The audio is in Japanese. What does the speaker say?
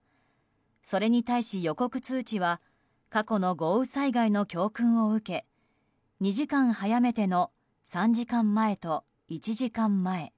それに対し、予告通知は過去の豪雨災害の教訓を受け２時間早めての３時間前と１時間前。